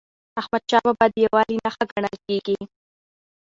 احمدشاه بابا د یووالي نښه ګڼل کېږي.